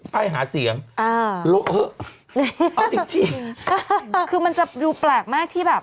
ไปหาเสียงอ่าเลอะเอาจริงจริงคือมันจะดูแปลกมากที่แบบ